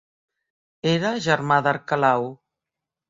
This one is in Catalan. Era germà d'Arquelau.